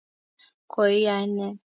koi ainet